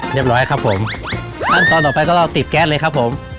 เรียบร้อยครับผมขั้นตอนต่อไปก็เราติดแก๊สเลยครับผม